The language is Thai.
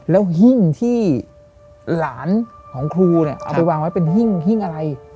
แล้วหิ้งที่หลานของครูเนี่ยเอาไปวางไว้เป็นหิ้งอะไร